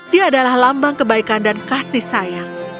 dia adalah lambang kebaikan dan kasih sayang